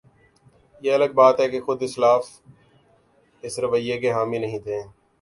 یہ الگ بات کہ خود اسلاف اس رویے کے حامی نہیں تھے۔